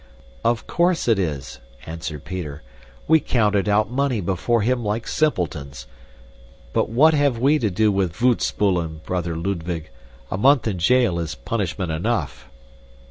"Of course it is," answered Peter. "We counted out money before him like simpletons. But what have we to do with voetspoelen, brother Ludwig? A month in jail is punishment enough."